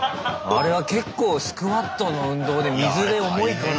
あれは結構スクワットの運動で水で重いから。